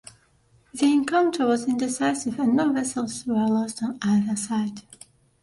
The encounter was indecisive, and no vessels were lost on either side.